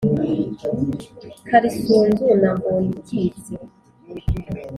karisunzu na mbonikitse